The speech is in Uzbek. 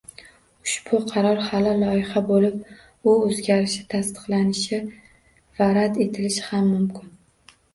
Ushbu qaror hali loyiha boʻlib, u oʻzgarishi, tasdiqlanishi va rad etilishi ham mumkin.